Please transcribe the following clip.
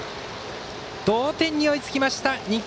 同点に追いつきました。